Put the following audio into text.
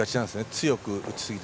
強く打ちすぎて。